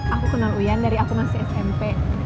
aku kenal uyan dari aku masih smp